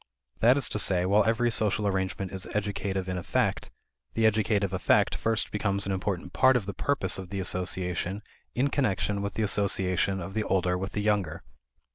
That is to say, while every social arrangement is educative in effect, the educative effect first becomes an important part of the purpose of the association in connection with the association of the older with the younger.